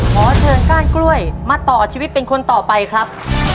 ขอเชิญก้านกล้วยมาต่อชีวิตเป็นคนต่อไปครับ